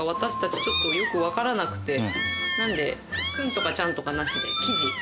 なんで君とかちゃんとかなしでキジ。